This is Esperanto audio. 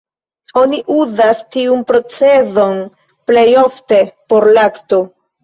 Oni uzas tiun procezon plej ofte por lakto.